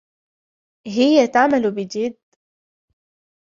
هي تعمل بجد.